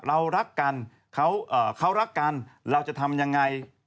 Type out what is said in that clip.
เรารักกันเขารักกันเราจะทำยังไง